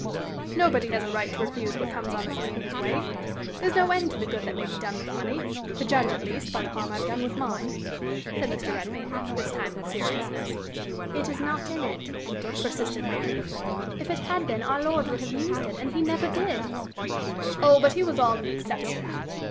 "Nobody has a right to refuse what comes honestly in his way. There's no end to the good that may be done with money to judge, at least, by the harm I've done with mine," said Mr. Redmain, this time with seriousness. "It is not in it," persisted Mary. "If it had been, our Lord would have used it, and he never did." "Oh, but he was all an exception!"